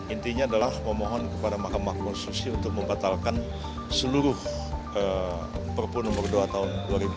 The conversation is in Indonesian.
intinya adalah memohon kepada mahkamah konstitusi untuk membatalkan seluruh perpu nomor dua tahun dua ribu dua puluh